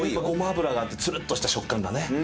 ごま油があってつるっとした食感がね。